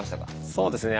そうですね。